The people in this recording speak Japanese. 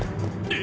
え！？